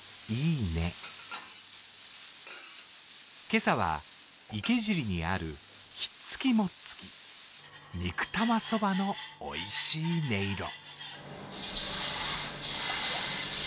今朝は池尻にあるひっつきもっつき肉玉そばのおいしい音色。